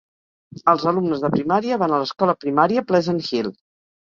Els alumnes de primària van a l'escola primària Pleasant Hill.